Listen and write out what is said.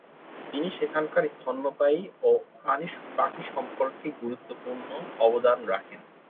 তিনি সেখানকার স্তন্যপায়ী ও পাখি সম্পর্কে গুরুত্বপূর্ণ অবদান রাখেন।